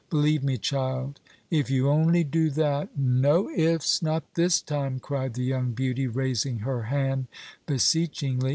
Believe me, child if you only do not " "No ifs! not this time!" cried the young beauty, raising her hand beseechingly.